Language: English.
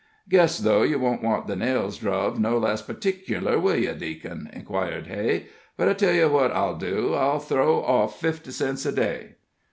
"Guess, though, ye won't want the nails druv no less p'ticler, will ye, Deac'n?" inquired Hay. "But I tell yer what I'll do I'll throw off fifty cents a day."